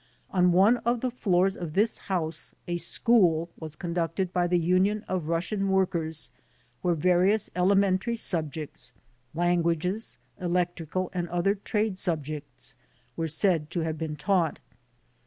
On one of the floors of this house a school was conducted by the Union of Russian Workers where various elementary subjects, languages, electrical and other trade subjects were said to have been taught.